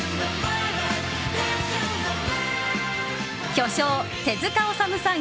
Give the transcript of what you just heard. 巨匠・手塚治虫さん